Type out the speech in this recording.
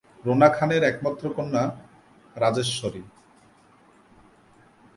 রুনা খানের একমাত্র কন্যা রাজেশ্বরী।